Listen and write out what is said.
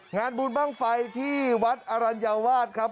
งานบุญบ้างไฟที่วัดอรัญวาสครับ